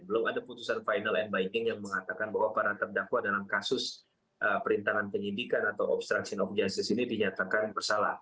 belum ada putusan final and binding yang mengatakan bahwa para terdakwa dalam kasus perintangan penyidikan atau obstruction of justice ini dinyatakan bersalah